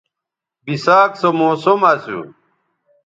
بِساک سو موسم اسو